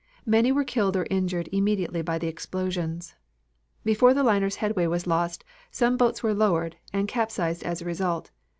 Many were killed or injured immediately by the explosions. Before the liner's headway was lost, some boats were lowered, and capsized as a result.